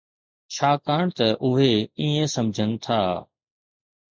ڇاڪاڻ ته اهي ائين سمجهن ٿا.